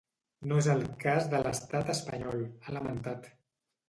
No és el cas de l’estat espanyol, ha lamentat.